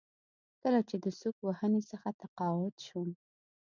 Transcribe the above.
کله چې د سوک وهنې څخه تقاعد شوم.